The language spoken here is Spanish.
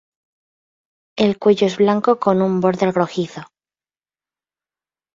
El cuello es blanco con un borde rojizo.